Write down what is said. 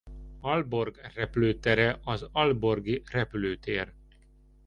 Aalborg repülőtere az Aalborgi repülőtér.